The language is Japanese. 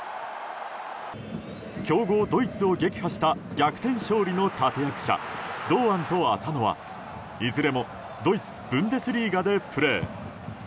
強豪ドイツを撃破した逆転勝利の立役者堂安と浅野は、いずれもドイツ・ブンデスリーガでプレー。